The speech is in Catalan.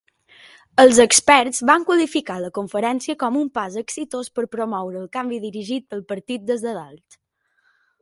Els experts van qualificar la conferència com un pas exitós per promoure el canvi dirigit pel partit des de dalt.